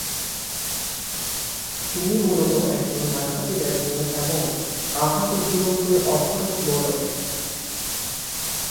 তিনি মূলত একজন ডান-হাতি ব্যাটসম্যান এবং বা-হাতি ধীরগতির অর্থডক্স বোলার।